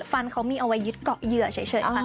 ฟันเขามีเอาไว้ยึดเกาะเหยื่อเฉยค่ะ